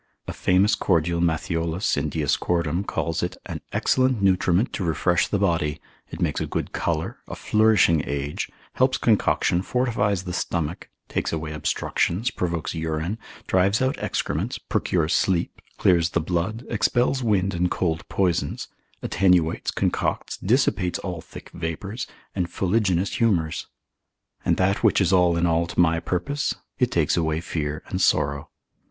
A famous cordial Matthiolus in Dioscoridum calls it, an excellent nutriment to refresh the body, it makes a good colour, a flourishing age, helps concoction, fortifies the stomach, takes away obstructions, provokes urine, drives out excrements, procures sleep, clears the blood, expels wind and cold poisons, attenuates, concocts, dissipates all thick vapours, and fuliginous humours. And that which is all in all to my purpose, it takes away fear and sorrow.